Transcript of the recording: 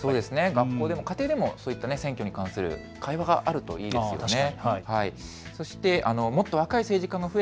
学校でも家庭でもそうした選挙に関する会話があるといいですよね。